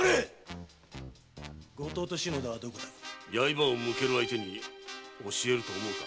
刃を向ける相手に教えると思うか？